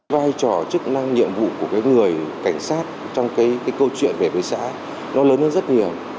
vai trò chức năng nhiệm vụ của cái người cảnh sát trong cái câu chuyện về với xã nó lớn hơn rất nhiều